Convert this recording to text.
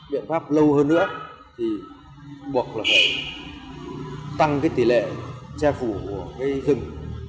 biện pháp lâu hơn nữa thì buộc là phải tăng tỷ lệ che phủ của rừng